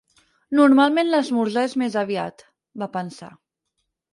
Normalment l'esmorzar és més aviat, va pensar.